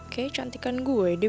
kayaknya cantikan gue deh